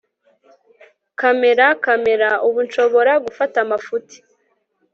kamera ... camera! ubu nshobora gufata amafuti